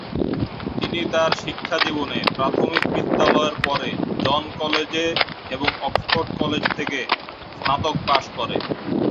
তিনি তার শিক্ষা জীবনে প্রাথমিক বিদ্যালয়ের পরে জন কলেজে এবং অক্সফোর্ড কলেজ থেকে স্নাতক পাস করে।